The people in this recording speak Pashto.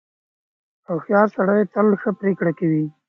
• هوښیار سړی تل ښه پرېکړه کوي.